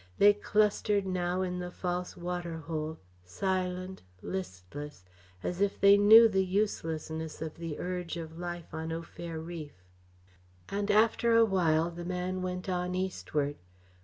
They clustered now in the false water hole, silent, listless, as if they knew the uselessness of the urge of life on Au Fer reef. And after a while the man went on eastward.